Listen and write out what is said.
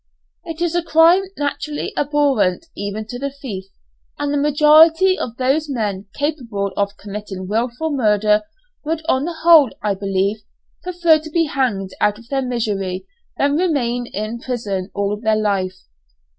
It is a crime naturally abhorrent even to the thief, and the majority of those men capable of committing wilful murder would on the whole, I believe, prefer to be hanged out of their misery, than remain in prison all their life.